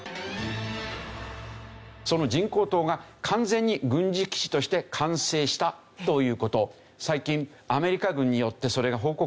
その人工島が完全に軍事基地として完成したという事最近アメリカ軍によってそれが報告されたんですね。